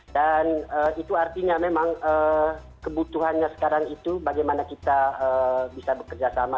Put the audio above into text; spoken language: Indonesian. dan itu artinya memang kebutuhannya sekarang itu bagaimana kita bisa bekerja sama